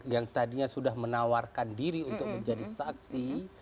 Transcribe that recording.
yang tadinya sudah menawarkan diri untuk menjadi saksi